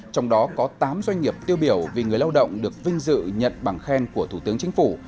trong đó có tám doanh nghiệp tiêu biểu vì người lao động được vinh dự nhận bằng khen của thủ tướng chính phủ